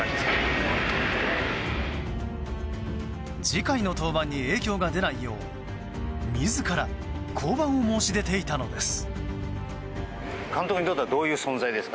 次回の登板に影響が出ないよう自ら降板を申し出ていたのです。